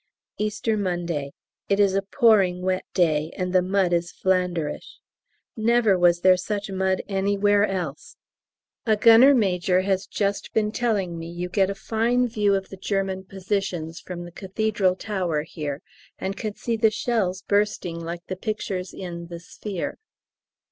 Easter Monday. It is a pouring wet day, and the mud is Flanderish. Never was there such mud anywhere else. A gunner major has just been telling me you get a fine view of the German positions from the Cathedral tower here, and can see shells bursting like the pictures in 'The Sphere.'